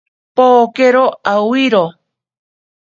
Pokero awiro.